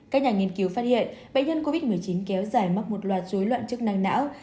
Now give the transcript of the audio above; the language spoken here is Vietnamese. các nhà nghiên cứu phát hiện bệnh nhân covid một mươi chín kéo dài mắc một loạt dối loạn chức năng não